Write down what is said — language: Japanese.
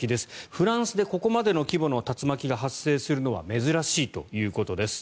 フランスでここまでの規模の竜巻が発生するのは珍しいということです。